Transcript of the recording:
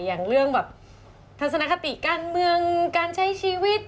อย่างเรื่องแบบทัศนคติการเมืองการใช้ชีวิต